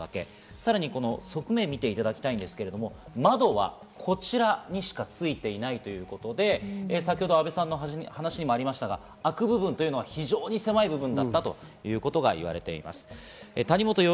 さらに側面、見ていただきたいんですけれど窓はこちらにしかついていないということで、先ほど阿部さんの話にもありましたが、開く部分というのが非常に狭い部分だったということがいわれています。